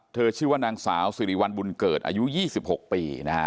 เธอชื่อว่านางสาวสิริวัณบุญเกิดอายุ๒๖ปี